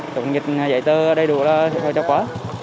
chúng dịch dạy tờ đầy đủ là sẽ phải cho quá